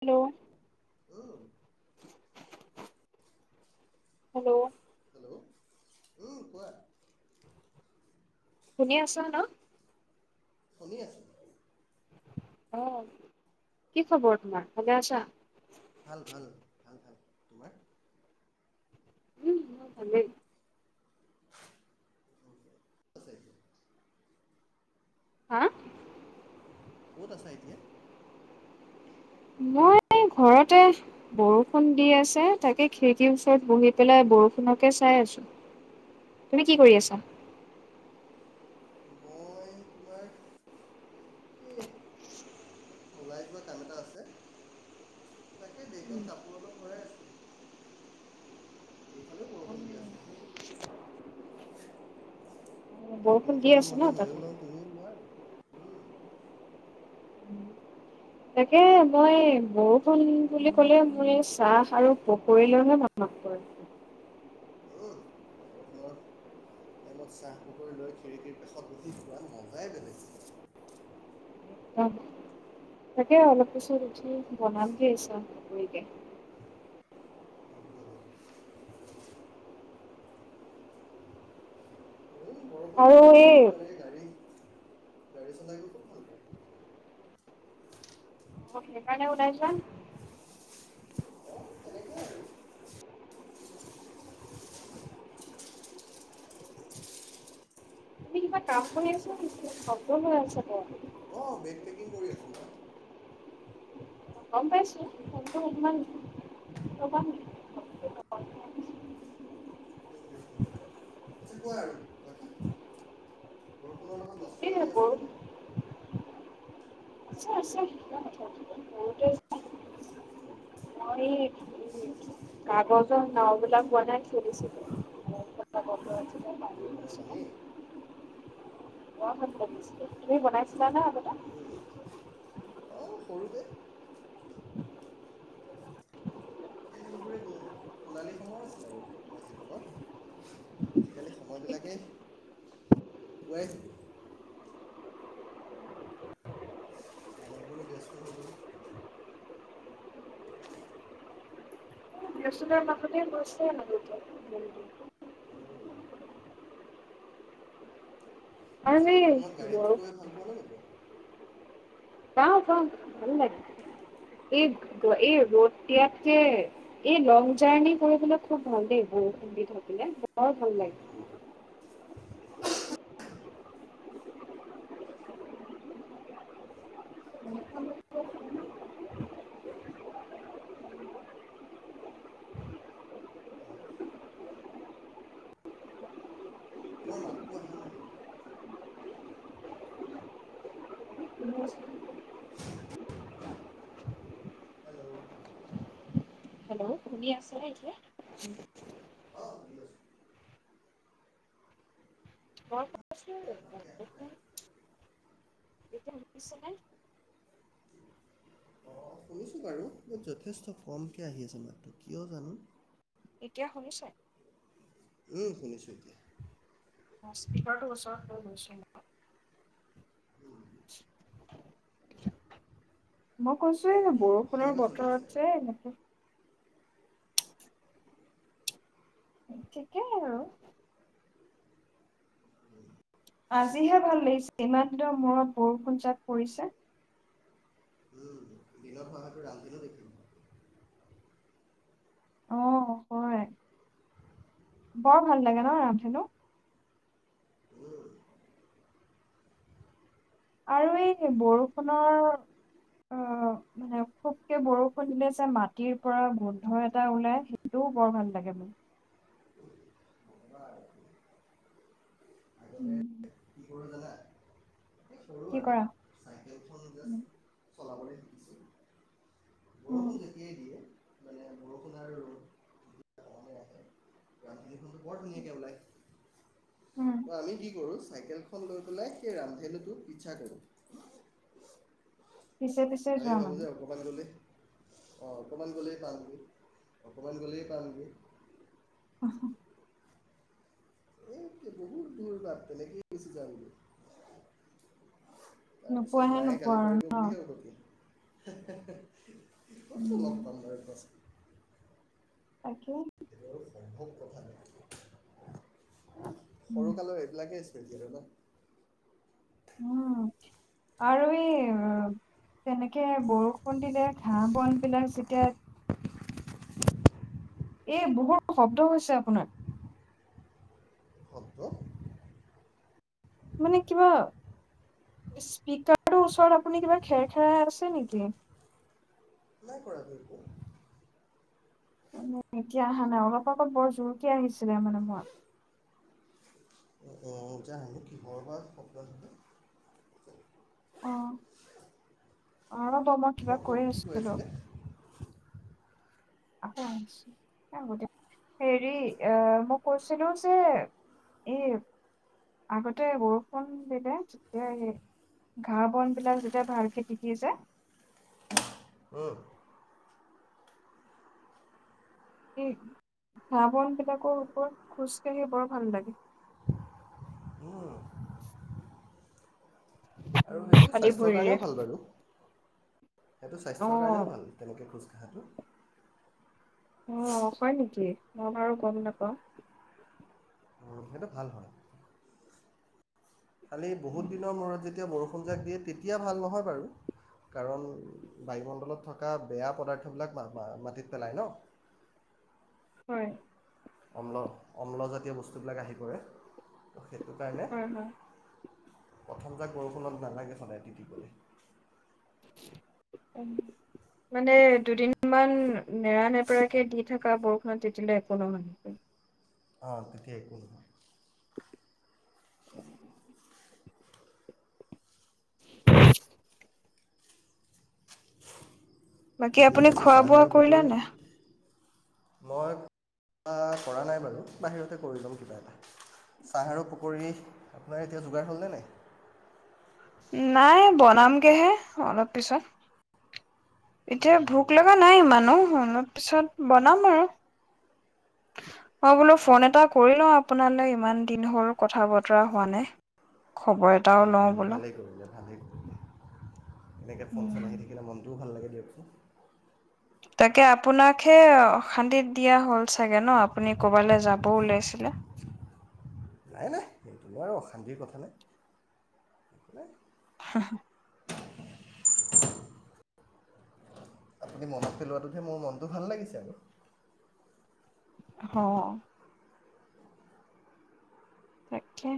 Hello উম, hello hello উম কোৱা শুনি আছ ন শুনি আছো। আহ কি খবৰ তোমাৰ ভালে আছা। ভাল ভাল ভাল ভাল তোমাৰ উম মোৰ ভালেই আছে এতিয়া হা ক'ত আছা এতিয়া মই ঘৰতে বৰষুণ দি আছে তাকে খিৰিকীৰ ওচৰত বহি পেলাই বৰষুণকে চাই আছো তুমি কি কৰি আছা মই তোমাৰ এই ওলাই যোৱা কাম এটা আছে তাকে বেগত কাপোৰ অলপ ভৰাই আছো আছে সেই আজি বৰষুণ দি বৰষুণৰ আছে মজা ন তাতে ময়ও লওঁ তুমিও লোৱা আৰু উম, তাকে মই বহুত ষুণ বুলি ক'লে মোৰ এই চাহ আৰু পকৰীলে হে অম [unintelligible] উম, বৰষুণৰ টাইমত চাহ পকৰি লৈ খিৰিকীৰ কাষত বহি খোৱাৰ মজাই বেলেগ অ তাকে অলপ পিছত ৰুটি বনাম দেৰিকে উম, ময়ো বৰষুণ আৰু এই বতৰলৈতো এনেকৈ গাড়ী গাড়ী চলাই গৈ খুব ভাল পাওঁ। অ হেকানে ওলাই যোৱা অ', তেনেকুৱাই আৰু তুমি কিবা কাম কৰি আছা নে [unintelligible] আছাগে অ বেগ পেকিং কৰি আছোঁ মই। গম পাইছো কিন্তু উম [unintelligible] ভাবিছো [unintelligible] বৰষুণৰ লগত কিপ নষ্টালজি [unintelligible] আছেনে নাই? আছে আছে কিয় নাথাকিব বহুতে আ বৰষুণৰ এই কাগজৰ নাও বিলাক বনাই চলিছিলে কাগজৰ আ ৰোৱা পালী [unintelligible] মই বহুত বনাছিলো তুমি বনাইছিলা নে আগতে কে সেই দিনবোৰে গ'ল সোণালী সময় আছিলে আৰু আমাৰ জীৱনত আজিকালি সময়খিনিকেই সোৱৰাই থাকে য হ [unintelligible] চ নতে গৈছেতে [unintelligible] অ আচ্ছা সেই বৰষুণত ব গাড়ীত গৈ ভাল পোৱা নে পাওঁ পাওঁ ভাল লাগে এই গৰ এই ৰ'দ দিয়াতকে এই লং জাৰ্ণি কৰিবলৈ খুব ভাল দেই বৰষুণ দি থাকিলে বৰ ভাল নোপোৱা? লাগে আৰু তোমাৰ মাতটো অহা নাই হেল্ল' শুণি আছে নে এতিয়া উম মই কৈ ছো তোমাৰ ভালকৈ অহা নাই। শুনিছানে শুনিছো বাৰু, যথেষ্ট কমকে আহি আছে মাতটো কিয় জানো? এতিয়া শুনিছে। উম, শুনিছো এতিয়া। হস্পিটেলৰ ওচৰত থৈ গৈছিলো মই মোক কৈছোয়ে পিছে ন বাকী বৰষুণৰ কেনেকুৱা চলি আছে বতৰত আৰু যে এনেকে ঠিকে হে আৰু। আজিহে ভাল লাগিছে ইমান দিনৰ মূৰত বৰষুণ জাত পৰিছে। উম দিনত হোৱাহেঁতেন ৰান্ধনিও দেখিলোঁ অ', হয়। বৰ ভাল লাগে ন ৰামধেনু। উম আৰু এই বৰষুণৰ আহ মানে, খুবকে বৰষুণ দিলে, যে মাটিৰ পৰা গোন্ধ এটা ওলাই সেইটোও বৰ ভাল লাগে মোৰ। নক'বা আৰু। উম। বুদলৈ [inaudible] এই সৰু কি আৰু কৰা? চাইকেলখন উম, যাষ্ট চলাবলৈ শিকিছো। অ'। মানে বৰষুণ আৰু ৰ'দ যেতিয়া সমানে আহে ৰামধেনুখনটো বৰ ধুনীয়াকৈ ওলাইছে। উম, অ', আমি কি কৰো চাইকেলখন লৈ পেলাই সেই ৰামধেনুটোক পিচ্চা কৰো। পিছে, পিছে যোৱা মানে। অ', অকমান গ'লেই পামগৈ, অকমান গ'লেই পামগৈ। [inaudible] এই বহুত দূৰ বাট তেনেকে গুচি যাম। তাৰ পিছত নোপোৱাহে মায়ে নোপোৱা গালি আৰু পাৰিব ন? বুলিহে উভতি আহোঁ। [unintelligible] কতনো উম, লগ পাম বাৰু কোৱা চোন? তাকে। কথা ন [inaudible] উম, সৰুকালৰ এইবিলাকেই তেজবা [unintelligible] উম, আৰু এই তেনেকে বৰষুণ দিলে, ঘাঁহ বন বিলাক জিকে। এই বহুত শব্দ হৈছে, আপোনাৰ। শব্দ মানে কিবা স্পিকাৰটোৰ ওচৰত আপুনি কিবা খেৰ, খেৰাই আছে নেকি? পৰা বি [inaudible] উম, এতিয়া অহা নাই অলপ আগত বৰ জোৰকে আহিছিলে মানে মন [unintelligible] যে আমি কিহৰ বা সব্দ হ' অ', অ'। মই কিবা অঁ কওক কৰি কি কৈ আছিলো। আছিলে আহিছোঁ-আহো দিয়ক হেৰি, আহ মই কৈছিলো যে, এই আগতে বৰষুণ দিলে যেতিয়া, এই ঘাঁহ বন বিলাক যেতিয়া ভাল খেতি টিতি যায় উম। [unintelligible] ঘাঁহ-বন বিলাকৰ ওপৰত খোজ কাঢ়ি বৰ ভাল লাগে। আৰু সেইটো খালী স্বাস্থ্যৰ ভৰিৰে কাৰণেও ভাল বাৰু। সেইটো অ স্বাস্থ্যৰ কাৰণেও ভাল তেনেকে খোজ কঢ়াটো। অ', হয় নেকি? মই বাৰু গম নাপাওঁ। উ সেইটো ভাল হয়। খালি বহুত দিনৰ মূৰত যেতিয়া বৰষুণ যাক দিয়ে তেতিয়া ভাল নহয় বাৰু কাৰণ বায়ুমণ্ডলত থকা বেয়া পদাৰ্থবিলাক মাটিত পেলায় ন হয় অম্ল অম্লজাতীয় বস্তুবিলাক আহি পৰে সেইটোৱেই কাৰণে হয় হয় প্ৰথম যে বৰষুণত নেলাগে সদায় তি দিবলৈ মানে দুদিন মমান নেৰানেপেৰাকৈ দি থকা বৰষুণত তেতিয়াই একলম অঁ তেতিয়াই কোন বাকী এতিয়া আপুনি পিছে খোৱা চাহ বোৱা আৰু কৰিলে পকৰি নে মই ক কৰা নাই বাৰু বাহিৰতে কৰি ল'ম কিবা এটা চাহ আৰু পকী আপোনাৰ এতিয়া যোগাৰ হ'লনে নাই নাই বনামগেহে অলপ পিছত এতিয়া ভোক লগা নাই মানুহ অলপ পিছত বনাম আৰু অঁ বোলো ফোন এটা কৰি ল আঁ আপোনালৈ ইমান দিন হ'ল কথা বতৰা হোৱা নাই খবৰ এটাও লওঁ বোলো ভালেই কৰিলে ভালেই কৰিলে এনেকৈ ফোন চোন আহি থাকিলে মনটোও ভাল লাগে দিয়ক [unintelligible] তাকে আপোনাক হে অশান্তিত দিয়া হ'ল চাগে ন আপুনি ক'ৰবালৈ যাবও ওলাইছিলে ত আৰু অশান্তিৰ কথা নাই হুহু [inaudible] আপুনি মনত পেলোৱাটোতহে মোৰ মনটো ভাল লাগিছে আৰু অঁ তাকে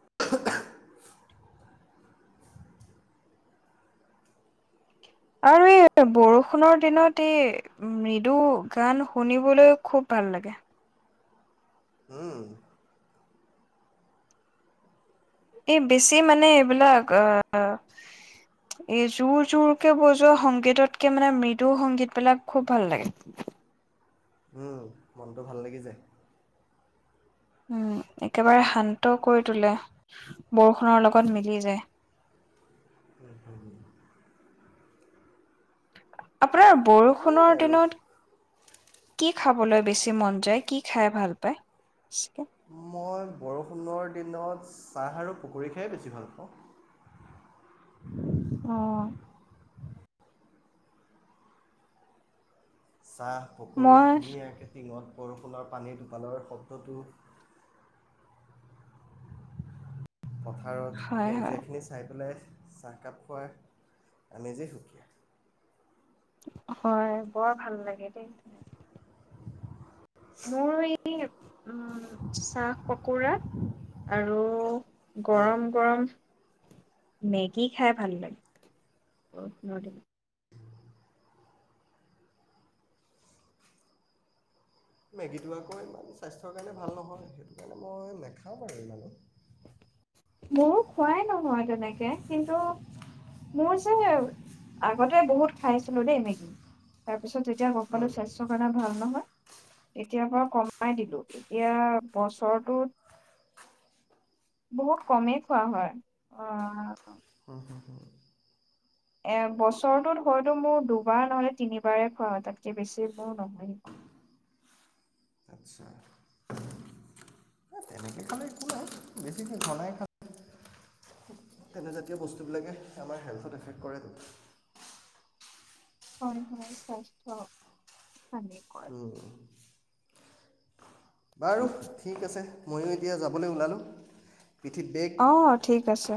[inaudible] আৰু এই বৰষুণৰ দিনত এই মৃদু গান শুনিবলৈও খুব ভাল লাগে উম, এই বেছি মানে এইবিলাক আহ এই জোৰ জোৰকে বজোৱা সংগীতকৈ মানে মৃদু সংগীতবিলাক খুব ভাল লাগে উম, মনটো ভাল লাগি যায় উম একেবাৰে শান্ত কৰি তোলে বৰষুণৰ লগত মিলি যায় আপোনাৰ সেয়াই বৰষুণৰ আৰু দিনত কি খাবলৈ বেছি মন যায় কি খাই ভাল পায় নৰ দিনত চাহ আৰু পকী খাই বেছি ভাল পাওঁ আহ চাহ পকৰি মই ধুনীয়াকৈ দিনত বৰষুণৰ পানী টোপালৰ শব্দটো পথাৰত হয়, হয়। সেউজীয়াখিনি চাই পেলাই চাহকাপ খাই আমেজেই সুকীয়া হয় বৰ ভাল লাগে দেই তেনে [inaudible] চাহ পকুৰা আৰু গৰম গৰম মেগী খাই ভাল লাগে অহ মেগীটো আকৌ ইমান স্বাস্থ্যৰ কাৰণে ভাল নহয় সেইটো কাৰণে মই নাখাাও আৰু ইমানো মোৰো খোৱাই নহয় তেনেকে কিন্তু মোৰ যে আগতে বহুত খাইছিলো দেই মেগি তাৰ তাৰপিছত যেতিয়া গম পালো স্বাস্থ্য কাৰণে ভাল নহয় তেতিয়াৰ পৰা কমাই দিলো এতিয়া বছৰটোত বহুত কমেই খোৱা হয় অ হ হ হ এ বছৰটোত হয়তো মোৰ দুবাৰ নহলে তিনিবাৰে খোৱা তাতকে বেছি মোৰ নহয়ে আছো তেনেকে খালে একো নাই বেছিকে ঘনাই খালে তেনেজাতীয় বস্তুবিলাকে আমাৰ হেল্থত এফেক্ট কৰে হয় হয় স্বাস্থ্য হানিকৰ অ বাৰু ঠিক আছে ময়ো এতিয়া যাবলৈ ওলালোঁ পিঠিত বেগ অ ঠিক আছে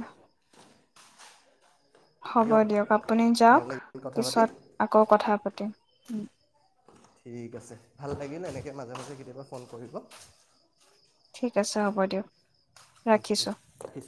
হ'ব দিয়ক আপুনি ভাল যাওক লাগিল কথা পাতি পিছত আকৌ কথা পাতিম উম ঠিক আছে ভাল লাগিল এনেকে মাজে মাজে কেতিয়াবা ফোন কৰিব ঠিক আছে হ'ব দিয়ক উম ৰাখিছো উম